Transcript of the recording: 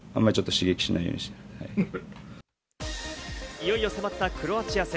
いよいよ迫ったクロアチア戦。